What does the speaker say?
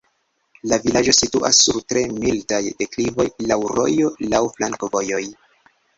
La vilaĝo situas sur tre mildaj deklivoj, laŭ rojo, laŭ flankovojoj.